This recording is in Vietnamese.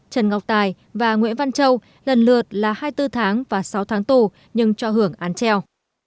trần ngọc tài và nguyễn văn châu lần lượt là hai mươi bốn tháng và sáu tháng tù nhưng cho hưởng án treo